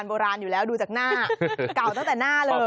โบราณอยู่แล้วดูจากหน้าเก่าตั้งแต่หน้าเลย